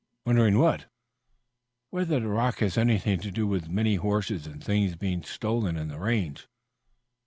"Wondering what?" "Whether that rock has anything to do with so many horses and things being stolen in the range."